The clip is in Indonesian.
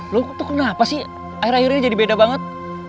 lo tuh kenapa sih akhir akhir ini jadi beda banget